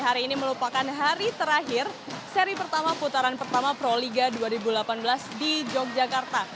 hari ini merupakan hari terakhir seri pertama putaran pertama pro liga dua ribu delapan belas di yogyakarta